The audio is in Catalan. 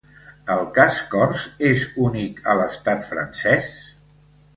El cas cors és únic a l’estat francès?